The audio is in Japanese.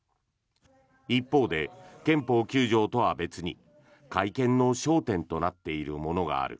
一方で憲法９条とは別に改憲の焦点となっているものがある。